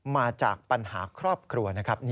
มาจากปัญหาครอบครัวนะครับ